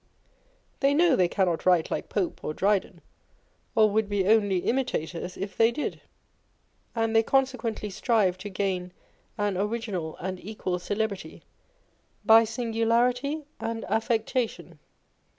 They know they cannot write like Pope or Dryden, or would be only imitators if 140 On Envy. they did ; and they consequently strive to gain an original and equal celebrity by singularity and affectation.